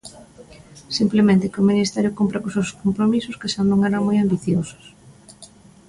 Simplemente que o ministerio cumpra cos seus compromisos, que xa non eran moi ambiciosos.